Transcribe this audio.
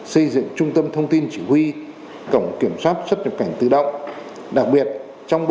xây dựng trung tâm thông tin chỉ huy cổng kiểm soát xuất nhập cảnh tự động